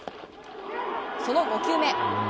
その５球目。